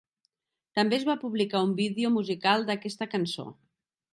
També es va publicar un vídeo musical d'aquesta cançó.